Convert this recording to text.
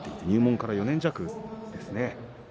入門から４年弱です。